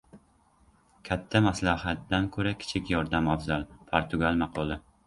Katta maslahatdan ko‘ra kichik yordam afzal. Portugal maqoli